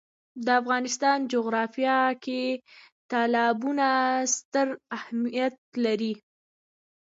د افغانستان جغرافیه کې تالابونه ستر اهمیت لري.